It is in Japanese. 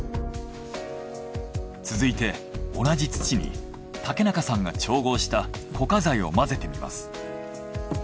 続いて同じ土に竹中さんが調合した固化材を混ぜてみます。